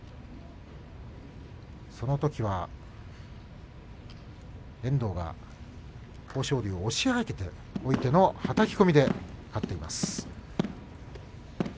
そのときは遠藤が豊昇龍を押し上げてのはたき込みです。